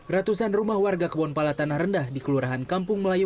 ratusan rumah warga kebonpala tanah rendah di kelurahan kampung melayu